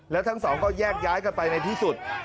แล้วทั้งสองก็แยกย้ายกันไปในที่สุด